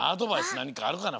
なにかあるかな？